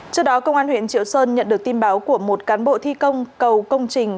trước đó công an huyện triệu sơn nhận được tin báo của một cán bộ thi công cầu công trình